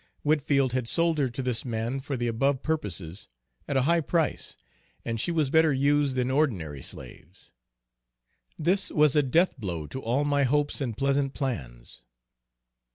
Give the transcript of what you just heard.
Whitfield had sold her to this man for the above purposes at a high price, and she was better used than ordinary slaves. This was a death blow to all my hopes and pleasant plans.